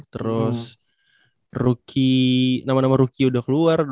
terus nama nama rookie udah keluar